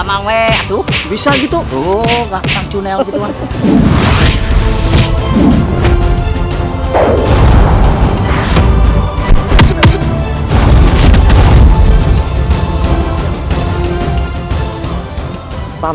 apakah kalian pani dengan seperti itu pak